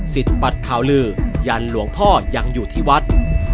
สิทธิ์ปัดข่าวลือยันหลวงพ่อยังอยู่ที่วัด